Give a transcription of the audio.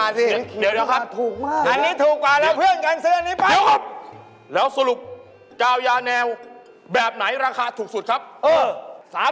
อันนี้ใส่สีเขียวตองอ่อนอะกว่าจะรอตองอ่อนได้อะ